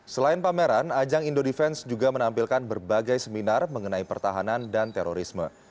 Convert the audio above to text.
selain pameran ajang indo defense juga menampilkan berbagai seminar mengenai pertahanan dan terorisme